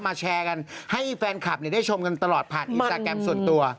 แชร์กันให้แฟนคลับได้ชมกันตลอดผ่านอินสตาแกรมส่วนตัว